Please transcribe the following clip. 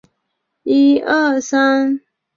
日本陆上自卫队在此设有上富良野基地。